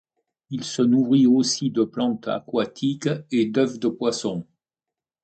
Il se nourrit aussi de plantes aquatiques et d'œufs de poisson.